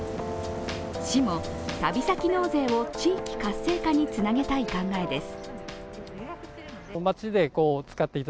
市も旅先納税を地域活性化につなげたい考えです。